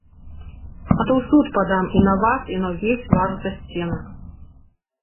А то ў суд падам і на вас і на ўвесь ваш засценак.